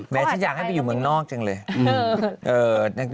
แม้ซึ่งอยากให้ไปอยู่เมืองนอกจริงเลย